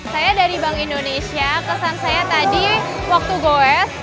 saya dari bank indonesia kesan saya tadi waktu goes